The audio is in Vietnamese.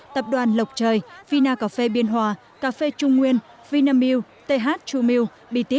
tập đoàn lộc trời vina cà phê biên hòa cà phê trung nguyên vina mew th true mew biti